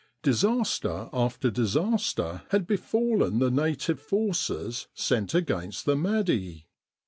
Disaster after disaster had befalleh the native forces sent against the Mahdi.